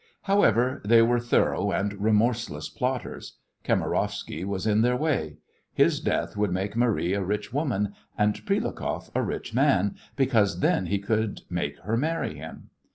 However, they were thorough and remorseless plotters. Kamarowsky was in their way. His death would make Marie a rich woman and Prilukoff a rich man, because then he could make her marry him.